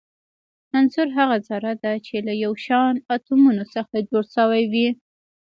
عنصر هغه ذره ده چي له يو شان اتومونو څخه جوړ سوی وي.